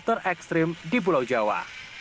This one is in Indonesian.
terekstrim di pulau jawa